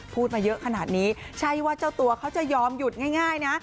พูดมาเยอะขนาดนี้ใช่ว่าเจ้าตัวเขาจะยอมหยุดง่ายนะ